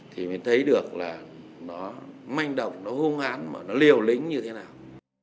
thì mới thấy được là nó manh động nó hung hán mà nó liều lĩnh như thế nào